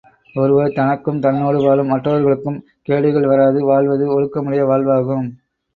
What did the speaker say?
ஒருவர் தனக்கும் தன்னோடு வாழும் மற்றவர்களுக்கும் கேடுகள் வாராது வாழ்வது ஒழுக்கமுடைய வாழ்வாகும்.